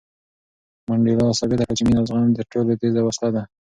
منډېلا ثابته کړه چې مینه او زغم تر ټولو تېزه وسله ده.